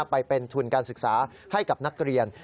ไปเป็นทุนการศึกษาให้กับนักเรียน